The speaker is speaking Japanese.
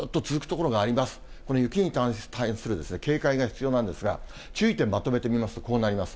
この雪に対する警戒が必要なんですが、注意点、まとめてみますと、こうなります。